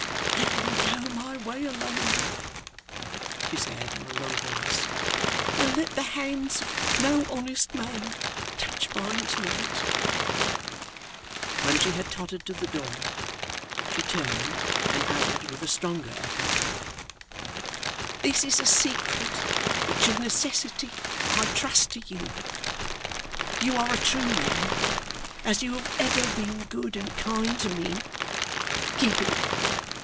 'Let me go my way alone,' she said in a low voice, 'and let the hands of no honest man touch mine to night.' When she had tottered to the door, she turned, and added with a stronger effort, 'This is a secret, which, of necessity, I trust to you. You are a true man. As you have ever been good and kind to me, keep it.